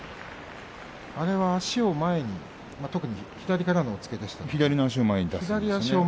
足を前に特に左からの押っつけでしたから。